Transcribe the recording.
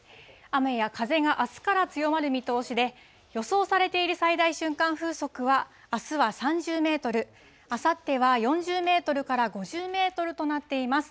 雨や風があすから強まる見通しで、予想されている最大瞬間風速は、あすは３０メートル、あさっては４０メートルから５０メートルとなっています。